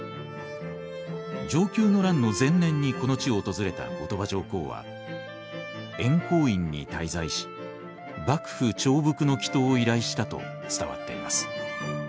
承久の乱の前年にこの地を訪れた後鳥羽上皇は円光院に滞在し幕府調伏の祈とうを依頼したと伝わっています。